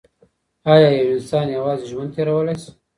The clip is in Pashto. ایا یو انسان یوازي ژوند تیرولای سي؟